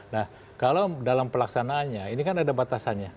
nah kalau dalam pelaksanaannya ini kan ada batasannya